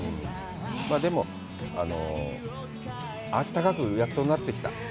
でも、あったかくやっとなってきた。